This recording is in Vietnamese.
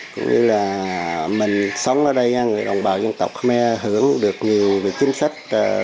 cũng như là mình sống ở đây người đồng bào dân tộc khmer hưởng được nhiều về chính sách